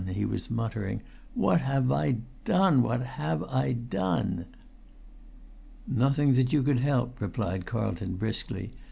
he was muttering. "What have I done? What have I done?" "Nothing that you could help," replied Carlton, briskly.